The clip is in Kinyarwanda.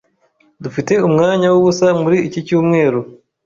Dufite umwanya wubusa muri iki cyumweru.